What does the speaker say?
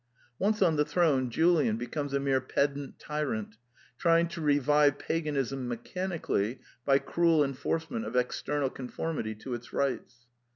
Once on the throne Julian becomes a mere pedant tyrant, trying to revive Paganism me chanically by cruel enforcement of external con formity to its rites.